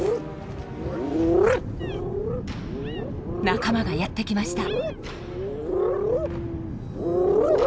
仲間がやって来ました。